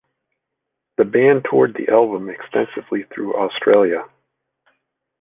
The band toured the album extensively throughout Australia.